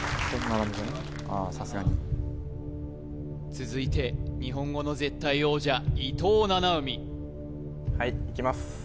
続いて日本語の絶対王者伊藤七海はいいきます